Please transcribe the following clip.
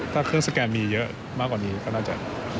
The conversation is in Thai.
ถ้าเครื่องสแกนมีเยอะมากกว่านี้ก็น่าจะ